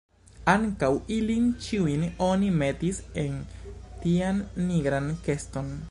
Ankaŭ ilin ĉiujn oni metis en tian nigran keston.